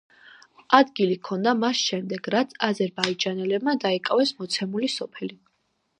ადგილი ჰქონდა მას შემდეგ, რაც აზერბაიჯანელებმა დაიკავეს მოცემული სოფელი.